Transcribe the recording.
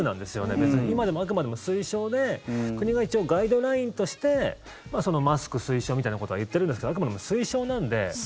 別に今でも、あくまでも推奨で国が一応、ガイドラインとしてマスク推奨みたいなことは言ってるんですけどあくまでも推奨なんで。